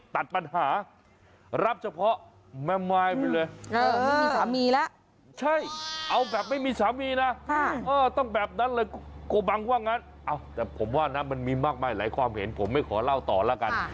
แต่ผมว่ามันมีมากมายหลายความเห็นผมไม่ขอเล่าต่อแล้วกัน